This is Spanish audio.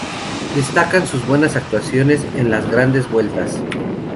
Destacan sus buenas actuaciones en las Grandes Vueltas.